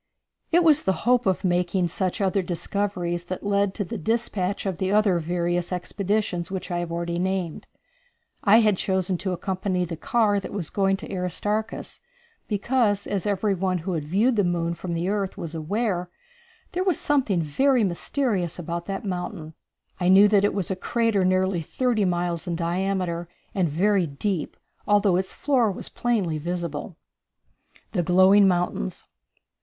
It was the hope of making such other discoveries that led to the dispatch of the other various expeditions which I have already named. I had chosen to accompany the car that was going to Aristarchus, because, as every one who had viewed the moon from the earth was aware, there was something very mysterious about that mountain. I knew that it was a crater nearly thirty miles in diameter and very deep, although its floor was plainly visible. The Glowing Mountains.